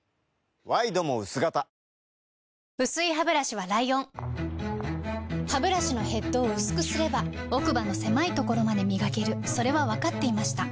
ワイドも薄型薄いハブラシはライオンハブラシのヘッドを薄くすれば奥歯の狭いところまで磨けるそれは分かっていました